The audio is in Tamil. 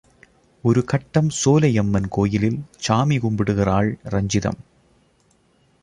ஒரு கட்டம் சோலையம்மன் கோயிலில், சாமி கும்பிடுகிறாள் ரஞ்சிதம்.